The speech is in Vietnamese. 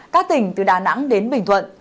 các tỉnh từ đà nẵng đến bình thuận